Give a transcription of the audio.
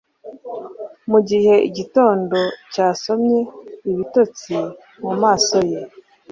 Mugihe igitondo cyasomye ibitotsi mumaso ye